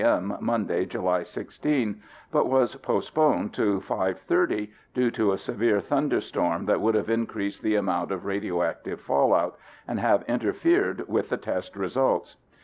m., Monday July 16, but was postponed to 5:30 due to a severe thunderstorm that would have increased the amount of radioactive fallout, and have interfered with the test results.